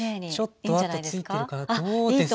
ちょっと跡ついてるかなどうですかね。